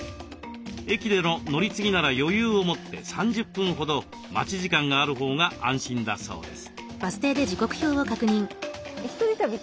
駅での乗り継ぎなら余裕を持って３０分ほど待ち時間があるほうが安心だそうです。